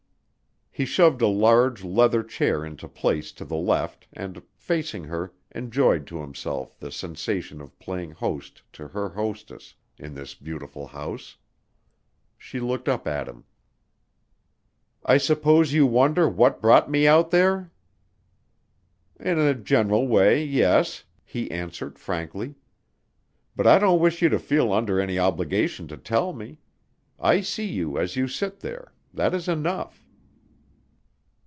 He shoved a large leather chair into place to the left and, facing her, enjoyed to himself the sensation of playing host to her hostess in this beautiful house. She looked up at him. "I suppose you wonder what brought me out there?" "In a general way yes," he answered frankly. "But I don't wish you to feel under any obligation to tell me. I see you as you sit there, that is enough."